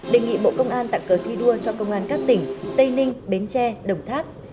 đề nghị bộ công an tặng cờ thi đua cho công an các tỉnh tây ninh bến tre đồng tháp